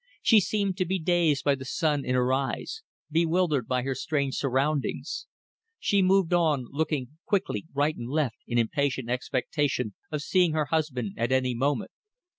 She seemed to be dazed by the sun in her eyes; bewildered by her strange surroundings. She moved on, looking quickly right and left in impatient expectation of seeing her husband at any moment.